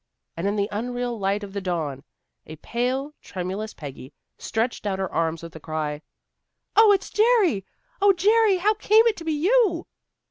And in the unreal light of the dawn, a pale, tremulous Peggy stretched out her arms with a cry. "Oh, it's Jerry! Oh, Jerry, how came it to be you?"